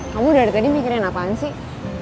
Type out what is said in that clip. kamu dari tadi mikirin apaan sih